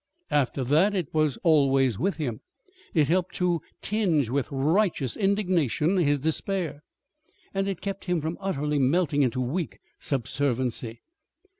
After that it was always with him. It helped to tinge with righteous indignation his despair, and it kept him from utterly melting into weak subserviency.